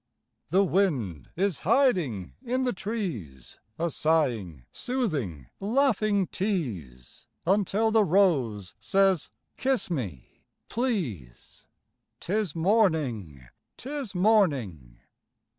The Wind is hiding in the trees, A sighing, soothing, laughing tease, Until the rose says "Kiss me, please," 'Tis morning, 'tis morning.